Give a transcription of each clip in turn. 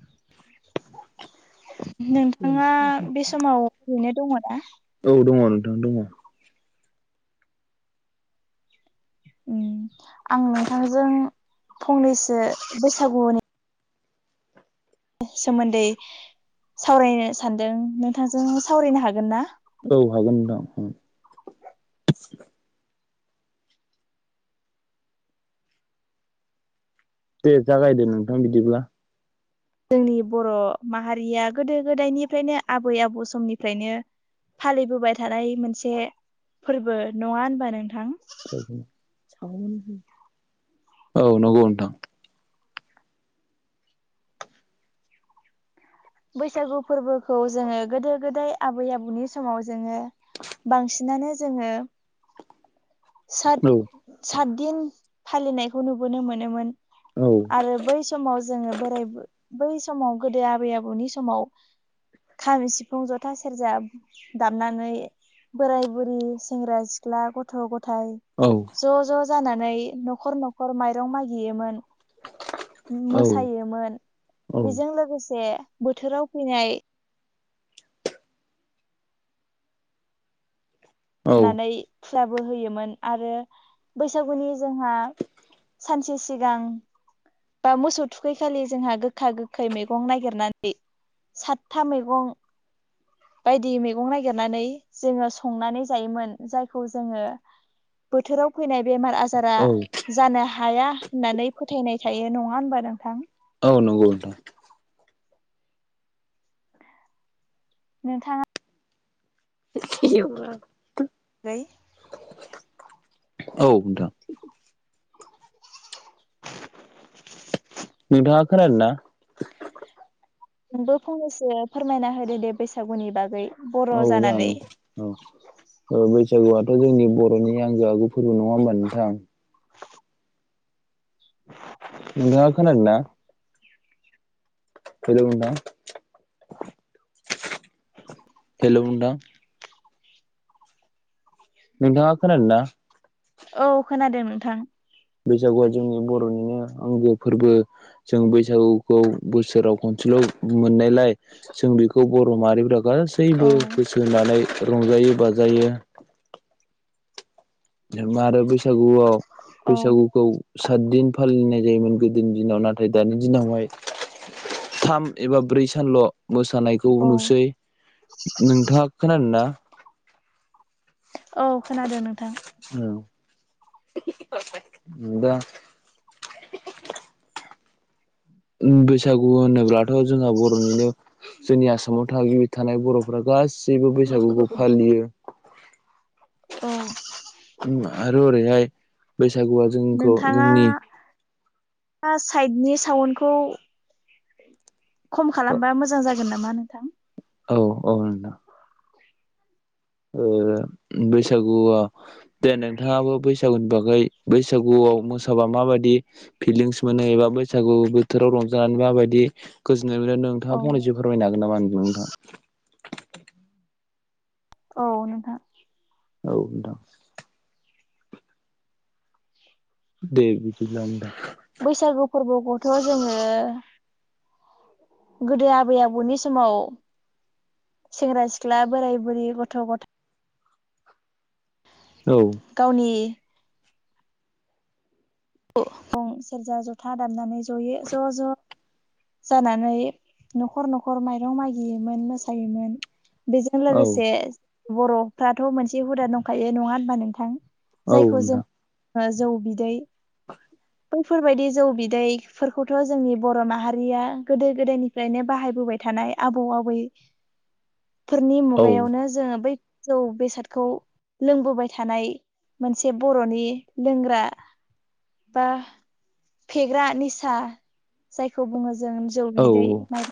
[unintelligible] नोंथाङा बे समाव ओरैनो दङना? औ [unintelligible] दङ। ओम आं नोंथांजों फंनैसो बैसागुनि सोमोन्दै सावरायनो सानदों। नोंथांजों सावरायनो हागोन ना? औ हागोन नोंथां ओम। दे जागायदो नोंथां बिदिब्ला। जोंनि बर माहारिया गोदो गोदायनिफ्रायनो आबै आबौ समनिफ्रायनो फालिबोबाय थानाय मोनसे फोरबो नङा होनबा नोंथां? औ नंगौ नोंथां। बैसागु फोरबोखौ जोङो गोदो गोदाय आबै आबौनि समाव जोङो बांसिनानो जोङो [inaudible] सात औ सातदिन फालिनायखौ नुबोनो मोनोमोन आरो बै समाव जोङो बोराय बै समाव गोदो आबै आबौ नि समाव खाम, सिफुं, जथा, सेरजा दामनानै बोराय बुरि सेंग्रा सिख्ला गथ' ग थाय औ ज' ज' जानानै नखर नखर माइरं मागियोमोन, मोसायोमोन, औ बेजों लोगोसे बोथोराव फैनाय औ होनानै खुलाबो होयोमोन आरो बैसागुनि जोंहा सानसे सिगां बा मोसौ थुखैखालि जोंहा गोखा गोखै मैगं नागिरनानै सातथा मैगं बायदि मैगं नागिरनानै जोङो संनानै जायोमोन जायखौ जोङो बोथोराव फैनाय बेमार आजारा जानो हाया होननानै फोथायनाय थायो, नङा होनबा नोंथां? औ नंगौ नोंथां। नोंथाङा [unintelligible] [unintelligible] औ नोंथां। [inaudible] नोंथाङा खोनादोंना? नोंबो फंनैसो फोरमायना होदो दे बैसागुनि बागै। बर' औ जागोन जानानै औ। ओ बैसागुआथ' जोंनि बर' फोरनि आंगो आगु फोरबो नङा होनबा नोंथां? नोंथाङा खोनादोंना? हेलौ नोंथां। हेलौ नोंथां। नोंथाङा खोनादोंना? औ खोनादों नोंथां। बैसागुआ जोंनि बर'निनो आंगो फोरबो जों बैसागुखौ बोसोराव खनसेल' मोननायलाय जों बेखौ बर' माहारिफ्रा औ गासैबो गोसो होनानै रंजायो बाजायो जेनेबा आरो बैसागुआव औ बैसागुखौ सात दिन फालिनाय जायोमोन गोदोनि दिनाव नाथाय दानि दिनावहाय थाम एबा ब्रै सानल' मोसानायखौ औ नुसै नोंथाङा खोनादोंना? औ खोनादों नोंथां। [unintelligible] बैसागु होनोब्लाथ' जोंहा बर'निनो जोंनि आसामाव थागिबि थानाय बर'फ्रा गा गासैबो बैसागुखौ फालियो औ उम आरो ओरैहाय बैसागुआ जोंखौ जोंनि दा साइडनि साउन्डखौ खम खालामबा मोजां जागोन नामा नोंथां। औ औ नोंथां। औ बैसागु दे नोंथाङाबो बैसागुनि बागै बैसागुआव मोसाबा मा माबायदि फिलिंस मोनो एबा बैसागु बोथोराव रंजानानै माबायदि ओमफ्राय औ नोंथाङा फंनैसो फोरमायनो हागोन नामा होनदों नोंथां? औ नोंथां। औ नोंथां। दे बिदिब्ला होमबा। थ' जोङो गोदो आबै आबौनि समाव सेंग्रा सिख्ला, बोराय बुरि, गथ' गथथाय औ गावनि फं सेरजा जथा दामनानै जयोै ज' ज' जानानै न'खर, न'खर माइरं मागियोमोन मोसायोमोन बेजों औ लोगोसे बर'फ्राथ' मोनसे हुदा दंखायो नङा होनबा नोंथां? औ जायखौ जों नोंथां। जौ बिदै बैफोरबायदि जौ बिदैफोरखौथ' जोंनि बर' माहारिया गोदो गोदायनिफ्रायनो बाहायबोबाय थादों। नाय आबौ आबै फोरनि औ मुगायावनो जोङो बै जौ बेसादखौ लोंबोबाय थानाय मोनसे बर'नि लोंग्रा बा फेग्रा निसा जायखौ बुङो जों जौ औ बिदै माइब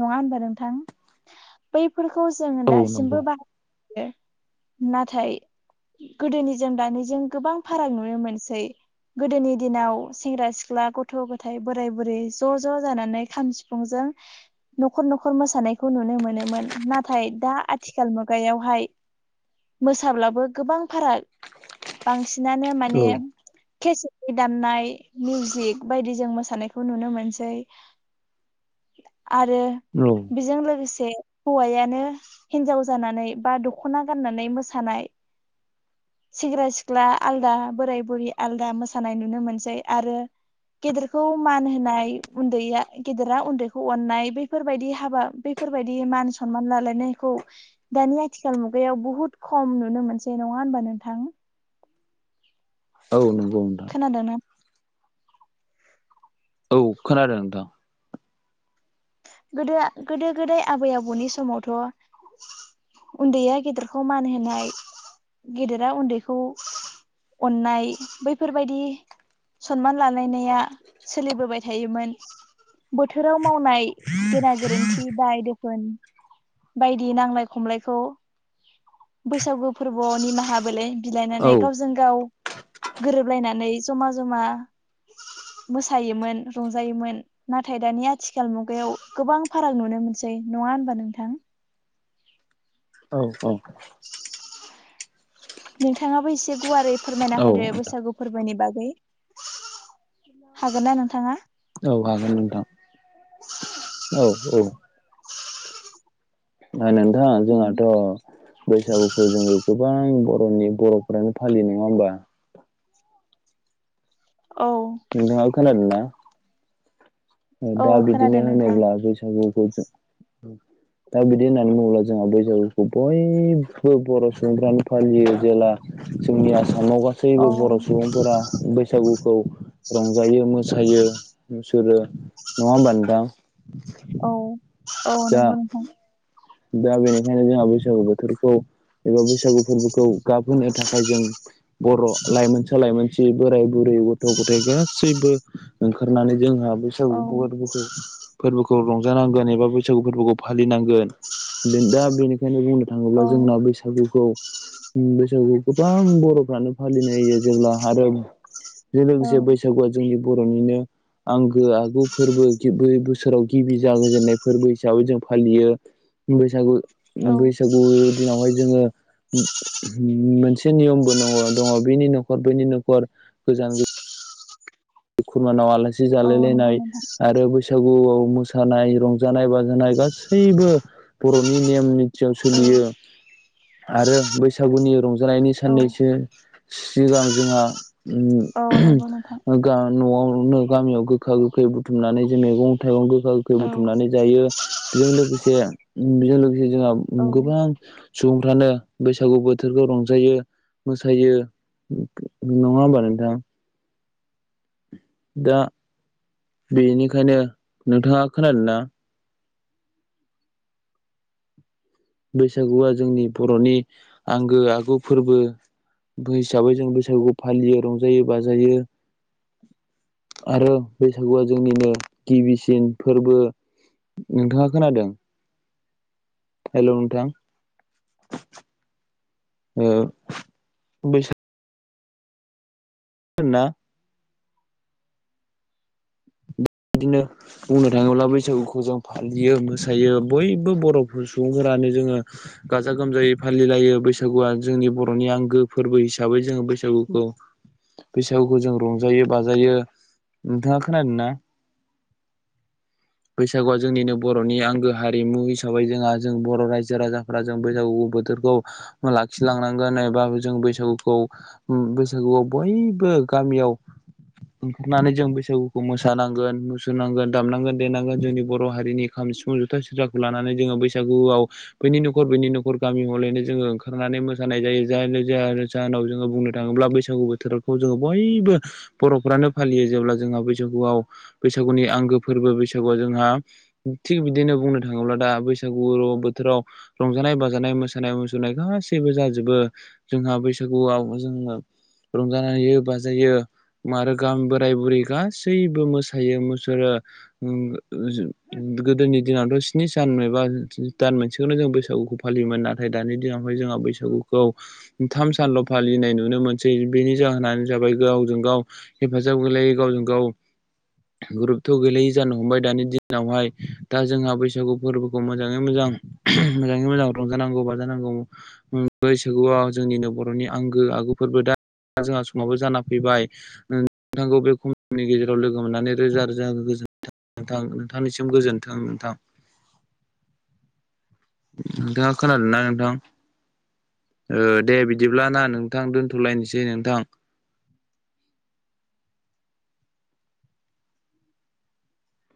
नङा होनबा नोंथां बै बेफोरखौ जों औ नंगौ दासिमबो बाहायो नाथाय गोदोनि जों दानिजों गोबां फाराग नुनो मोनसै। गोदोनि दिनाव सेंग्रा सिख्ला गथ' गथाय बोराय बुरै ज' ज' जानानै खाम सिफुंजों न'खर न'खर मोसानायखौ नुनो मोनोमोन नाथाय दा आथिखाल मुगायावहाय मोसाब्लाबो गोबां फाराग बांसिनानो माने औ औ केसेदनि दाननाय मिउजिक बायदि जों मोसानायखौ नुनो मोनसै [inaudible] आरो बेजों लोगो से हौवायानो हिनजाव जानानै बा दखना गाननानै मोसानाय सेंग्रा सिख्ला आलदा, बोराय बुरि आलदा मोसानाय नुनो मोनसै आरो गेदेरखौ मान होनाय, उन्दैया गेदेरा उन्दैखौ अननाय, बेफोरबायदि हाबा बे फोरबायदि मान सनमान लालायनायखौ दानि आथिखाल मुगायाव बुहुत खम नुनो मोनसै नङा होनबा नोंथां? औ नों खोनादों ना? औ खोनादों नोंथां। गोदो गोदो गोदाय आबै आबौनि समावथ' उन्दैया गेदेरखौ मान होनाय, गेदेरा उन्दैखौ अननाय बैफोरबायदि सनमान लालायनाया सोलिबोबाय थायोमोन। बोथोराव मावनाय गेना गोरोन्थि दाय-दोफोन बायदि नांलाय खमलायखौ बैसागु फोरबोआव निमाहा बिलायनानै औ गावजों गाव गोरोबलायनानै जमा जमा मोसायोमोन रंजायोमोन नाथाय दानि आथिखाल मुगायाव गोबां फाराग नुनो मोन सै नङा होनबा नोंथां? औ औ। नोंथाङाबो एसे गुवारै फोरमायना औ होदो नोंथां बैसागु फोरबोनि बा गै हागोन ना नोंथाङा? औ हागोन नोंथां, औ औ। ओ नोंथां उम जोंहाथ' बैसागुखौ जोङो गोबां बर'नि बर'फोरानो फालियो नङा होमबा? औ नोंथाङा खोनादों ना? औ दा बिदिनो खोनादों नोंथां होनोब्ला बैसागुखौ दा बिदि होननानै बुङोब्ला जोंहा बैसागुखौ बयबो बर' सुबुंफ्रानो फालियो जेला जोंनि आसामाव औ गासैबो बर' सुबुंफोरा बैसागु खौ रंजायो मोसायो बिसोरो नङा होमबा नोंथां? औ औ दा नोंगौ नोंथां। दा बेनिखायनो जोंहा बैसागु बोथोरखौ एबा बैसागु फोरबोखौ गाब होनो थाखाय जों बर' लाइमोनसा लाइमोनसि बोराय बुरै गथ'-गथाइ गासैबो ओंखारनानै जोंहा औ बैसागु फोरबोखौ फोरबोखौ रंजानांगोन एबा बैसागु फोरबोखौ फालिनांगोन दा बेनिखायनो बुंनो थाङोब्ला औ जोंना बैसागुखौ बैसागुखौ गोबां बर'फ्रानो फालिनाय होयो जेब्ला आरो जे औ लोगोसे बैसागुआ जोंनि बर'निनो आंगो आगु फोरबो बै बोसोराव गिबि जागायजेननाय फोरबो हिसाबै जों फालियो। बैसागु औ बैसागु दिनावहाय जोङो मोनसे नियमबो नङ'-दङ' बेनि न'खर बैनि न'खर गोजान खुरमानाव आलासि औ जालाय नंगौ लायनाय नोंथां आरो बै सागुआव मोसानाय रंजानाय बाजानाय गासैबो बर'नि नेम निथियाव सोलियो। औ आरो बैसागुनि रंजानायनि औ साननैसो सिगां जोंहा औ नंगौ नोंथां ओ गा-न'आवनो गामियाव गोखा-गोखै बुथुमनानै जे मैगं-थाइगं गोखा गोखै औ बुथुमनानै जायो बेजों लोगोसे बेजों लोगोसे जोंहा औ गोबां सुबुंफ्रानो बैसागु बोथोरखौ रंजायो मोसायो नङा होनबा नोंथां? दा बेनिखायनो, नोंथाङा खोनादों ना? बैसागुआ जोंनि बर'नि आंगो आगु फोरबो बो हिसाबै जों बैसागुखौ फालियो रंजायो बाजायो। आरो बैसागुआ जोंनिनो गिबिसिन फोरबो। नोंथाङा खोनादों? हेल' नोंथां। ओ बैसा [unintelligible] बिदिनो बुंनो थाङोब्ला बैसागुखौ जों फालियो मोसायो बयबो बर' सुबुंफोरा गानो जोङो गोजा गोमजायै फालिलायो बैसागुआ जोंनि बर'नि आंगो फोरबो हिसाबै जों बैसागुखौ बैसागुखौ जों रंजायो बाजायो नोंथाङा खोनादों ना? [inaudible] बैसागुआ जोंनिनो बर'नि आंगो हारिमु हिसाबै जोंहा जों बर' रायजो राजाफ्रा जों बैसागु बोथोर खौ लाखिलांनांगोन एबा जों बैसागुखौ बैसागुआव बयबो गामियाव ओंखारनानै जों बैसागुखौ मोसानां गोन मुसुरनांगोन दामनांगोन देनांगोन जोंनि बर' हारिनि खाम सिफुं जुथा सेरजाखौ लानानै जोङो बैसागुआव बैनि न'खर बैनि न'खर गामि होलैनो जोङो ओंखारनानै मोसानाय जायो [unintelligible] बुंनो थाङोब्ला बैसागु बोथोरखौ जोङो बयबो बर'फ्रानो फालियो जेब्ला जोंहा बैसागुआव बैसागुनि आंगो फोरबो बैसागुआ जोंहा थिग बिदिनो बुंनो थाङोब्ला दा बैसागु बोथोराव रंजानाय बाजानाय मोसानाय मुसुरनाय गासैबो जाजोबो जोंहा बैसागुआव। जोंओ रंजायो बाजायो गाम बोराय बुरै गासैबो मोस मोसायो मुसुरो [inaudible] गोदोनि दिनावथ' सिनि सान एबा दान मोनसे जों बैसागुखौ फालियोमोन नाथाय दानि दिनावहाय जोंहा बैसागुखौ थाम सानल' फालिनाय नुनो मोनसै बेनि जाहोनानो जाबाय गावजों गाव हेफाजाब होलायै गावजों गाव [inaudible] ग्रुपथ' गैलायै जानो हमबाय दानि दिनावहाय दा जोंहा बैसागु फोरबोखौ मोजाङै मोजां मोजाङै मोजां रंजानांगौ बाजानांगौ बैसागुआव जोंनिनो बर'नि आंगो आगुफोर जोंहा दा समावबो जाना फैबाय नोंथांखौ बे कमनि गेजेराव लो लोगो मोननानै रोजा रोजा गोजोन्थों नोंथां नोंथांनिसिम गोजोन्थों नोंथां। [unintelligible] नोंथांङा खोनादोंना नोंथां? ओ दे बिदिब्ला ना नोंथां दोनथ'लायनोसै नोंथां।